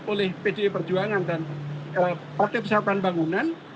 oleh pdi perjuangan dan partai persatuan bangunan